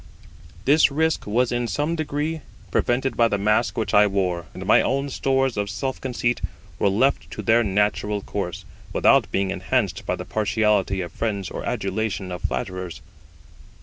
This risk was in some degree prevented by the mask which I wore; and my own stores of self conceit were left to their natural course, without being enhanced by the partiality of friends or adulation of flatterers.